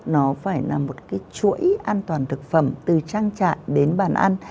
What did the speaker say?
nó phải là một cái chuỗi an toàn thực phẩm từ trang trại đến bàn ăn